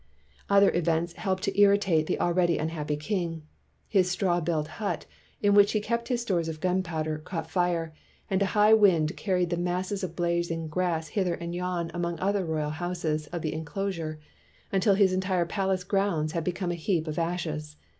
Other events helped to irritate the al ready unhappy king. His straw built hut, in which he kept his stores of gunpowder, caught fire, and a high wind carried the masses of blazing grass hither and yon among the other royal houses of the enclos ure until his entire palace grounds had be come a heap of ashes.